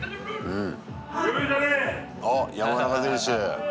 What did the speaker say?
うん。